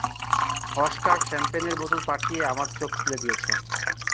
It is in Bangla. অস্কার শ্যাম্পেনের বোতল পাঠিয়ে আমার চোখ খুলে দিয়েছে।